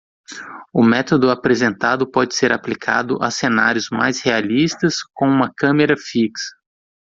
O método apresentado pode ser aplicado a cenários mais realistas com uma câmera fixa.